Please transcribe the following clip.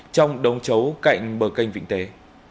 trong đống chấu cạnh bờ canh vịnh châu